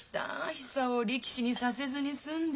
久男を力士にさせずに済んで。